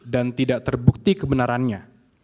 dan tidak terbukti kebenarannya